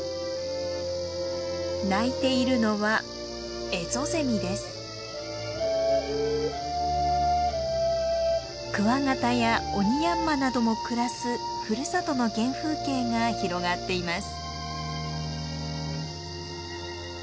鳴いているのはクワガタやオニヤンマなども暮らすふるさとの原風景が広がっています。